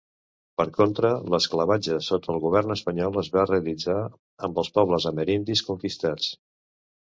Per contra, l'esclavatge sota el govern espanyol es va realitzar amb els pobles amerindis conquistats.